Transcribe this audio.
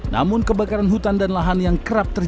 namun kebakaran hutan dan lahan yang kerap terjadi